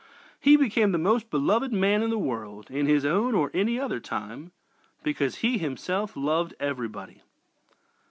He became the most beloved man in the world, in his own or any other time, because he himself loved everybody.